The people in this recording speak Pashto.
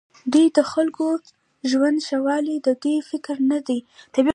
دوی د خلکو د ژوند ښهوالی د دوی فکر نه دی.